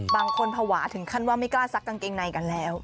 ภาวะถึงขั้นว่าไม่กล้าซักกางเกงในกันแล้ว